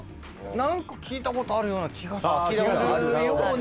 何か聞いたことあるような気がするような気がする。